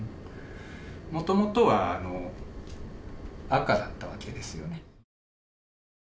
元々は赤だったわけですよね。